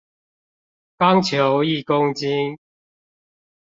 鋼球一公斤